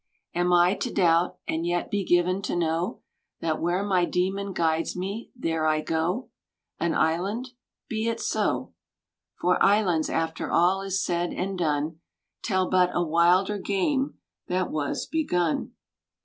Am I to doubt and yet be given to know That where my demon guides me, there I go ?— An island 7 Be it so. For islands, after all is said and done. Tell but a wilder game that was begun.